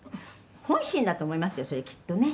「本心だと思いますよそれきっとね」